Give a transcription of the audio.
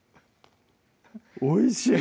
おいしい！